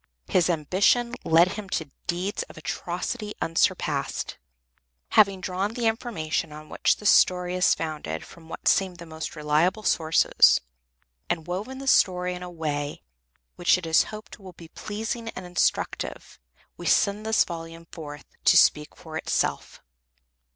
His ambition led him to deeds of atrocity unsurpassed. Having drawn the information on which this story is founded from what seem the most reliable sources, and woven the story in a way which it is hoped will be pleasing and instructive, we send this volume forth to speak for itself.